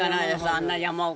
「あんな山奥」？